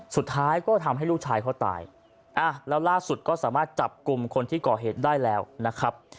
สุดท้ายก็ทำให้ลูกชายเขาตายแล้วล่าสุดก็สามารถจับกลุ่มคนที่ก่อเหตุได้แล้วนะครับ